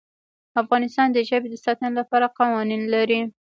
افغانستان د ژبې د ساتنې لپاره قوانین لري.